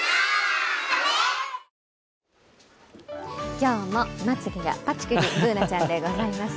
今日もまつげがぱちくり、Ｂｏｏｎａちゃんでございます。